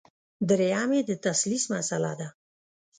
درېیم یې د تثلیث مسله ده.